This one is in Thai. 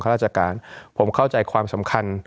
ราชการผมเข้าใจความสำคัญ